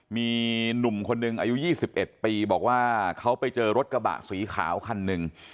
มีหนุ่มคนหนึ่งอายุ๒๑ปีบอกว่าเขาไปเจอรถกระบะสีขาวคันหนึ่ง